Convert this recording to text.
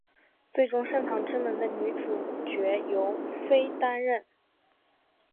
最终圣堂之门的女主角由飞担任。